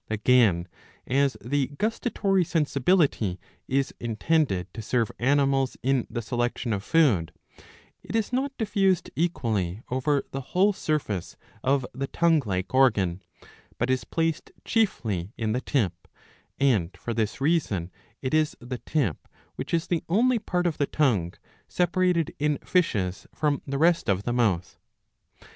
Again, as the gustatory sensibility is intended to serve animals in the selection of food, it is not diffused equally over the whole surface of the tongue like organ, but is placed chiefly in the tip ;^' and for this reason it is the tip which is the only part of the tongue separated in fishes from the rest of the mouth.